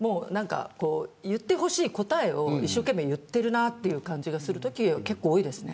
言ってほしい答えを一生懸命言ってる感じがするときが結構多いです。